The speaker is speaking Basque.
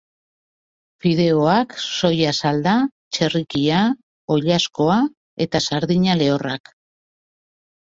Fideoak, soia salda, txerrikia, oilaskoa eta sardina lehorrak.